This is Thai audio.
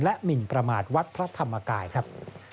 หมินประมาทวัดพระธรรมกายครับ